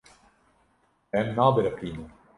Em nabiriqînin.